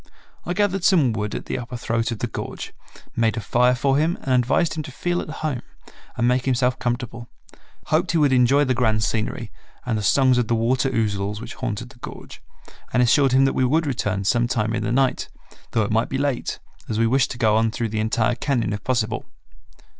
I gathered some wood at the upper throat of the gorge, made a fire for him and advised him to feel at home and make himself comfortable, hoped he would enjoy the grand scenery and the songs of the water ouzels which haunted the gorge, and assured him that we would return some time in the night, though it might be late, as we wished to go on through the entire cañon if possible.